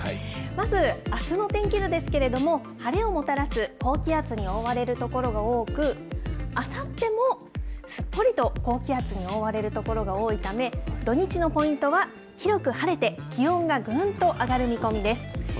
まず、あすの天気図ですけれども、晴れをもたらす高気圧に覆われる所が多く、あさってもすっぽりと高気圧に覆われる所が多いため、土日のポイントは、広く晴れて、気温がぐんと上がる見込みです。